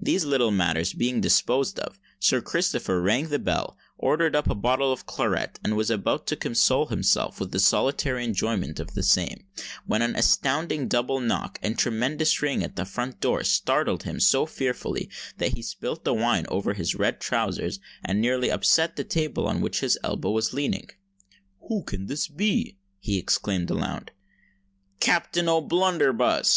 These little matters being disposed of, Sir Christopher rang the bell, ordered up a bottle of claret and was about to console himself with the solitary enjoyment of the same, when an astounding double knock and tremendous ring at the front door startled him so fearfully that he spilt the wine over his red trousers and nearly upset the table on which his elbow was leaning. "Who can this be?" he exclaimed aloud. "Captain O'Blunderbuss!"